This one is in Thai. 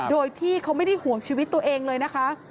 โดยที่เขาไม่ได้ห่วงชีวิตตัวเองเลยนะคะ